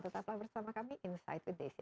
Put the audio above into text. tetaplah bersama kami insight with desi